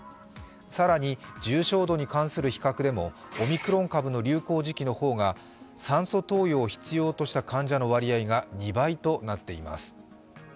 更に、重症度に関する比較でもオミクロン株の流行時期の方が酸素投与を必要とした患者の割合が２倍となっています。